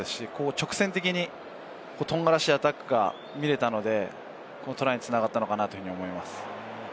直線的にトンガらしいアタックが見られたので、トライに繋がったのかなと思います。